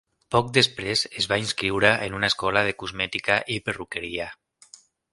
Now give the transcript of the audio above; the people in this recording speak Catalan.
Poc després es va inscriure en una escola de cosmètica i perruqueria.